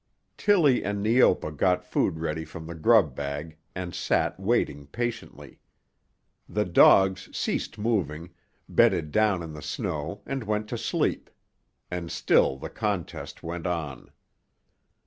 Tillie and Neopa got food ready from the grub bag and sat waiting patiently; the dogs ceased moving, bedded down in the snow and went to sleep; and still the contest went on.